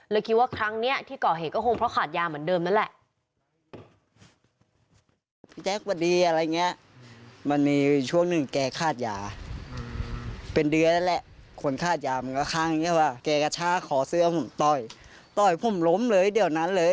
คิดว่าครั้งนี้ที่ก่อเหตุก็คงเพราะขาดยาเหมือนเดิมนั่นแหละ